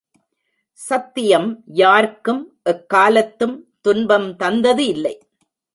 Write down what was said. சத்தியம் யார்க்கும் எக்காலத்தும் துன்பம் தந்ததில்லை.